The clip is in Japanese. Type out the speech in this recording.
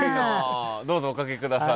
どうぞおかけ下さい。